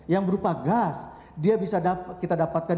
yang berupa gas dia bisa kita dapatkan